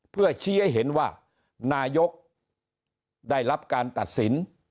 เพื่อชี้ให้เห็นว่านายกได้รับการตัดสิน